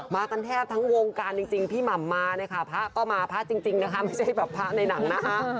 มากันแทบทั้งวงการจริงพี่หม่ำมาเนี่ยค่ะพระก็มาพระจริงนะคะไม่ใช่แบบพระในหนังนะคะ